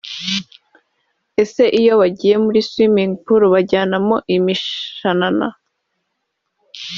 Ese iyo bagiye muri swimming pool bajyanamo imishanana